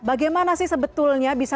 bagaimana sih sebetulnya bisa